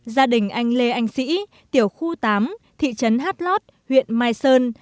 gia đình anh lê anh sĩ tiểu khu tám thị trấn hát lót huyện mai sơn